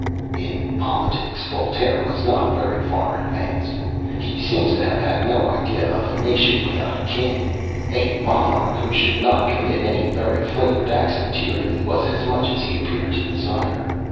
In politics, Voltaire was not very far advanced. He seems to have had no idea of a nation without a king. A monarch who should not commit any very flagrant acts of tyranny, was as much as he appeared to desire.